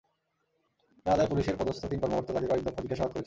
জানা যায়, পুলিশের পদস্থ তিন কর্মকর্তা তাঁকে কয়েক দফা জিজ্ঞাসাবাদ করেছেন।